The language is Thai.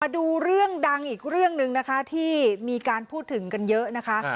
ดูเรื่องดังอีกเรื่องหนึ่งนะคะที่มีการพูดถึงกันเยอะนะคะ